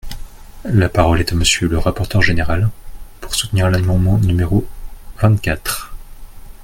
La parole est à Monsieur le rapporteur général, pour soutenir l’amendement no vingt-quatre.